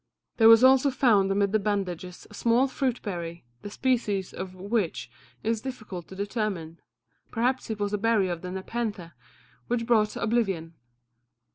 There was also found amid the bandages a small fruit berry, the species of which it is difficult to determine. Perhaps it was a berry of the nepenthe, which brought oblivion.